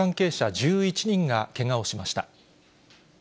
１１人がけがをしました。